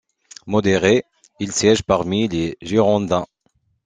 Modéré, il siège parmi les Girondins.